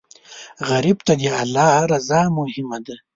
غریب ته د الله رضا مهمه ده